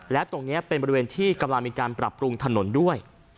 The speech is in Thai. และตรงนี้เป็นบริเวณที่กำลังมีการปรับปรุงถนนด้วย